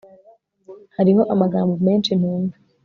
hariho amagambo menshi ntumva